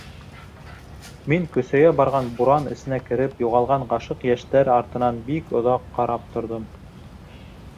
Мин көсәйә барған буран эсенә кереп юғалған ғашиҡ йәштәр артынан бик оҙаҡ ҡарап торҙом.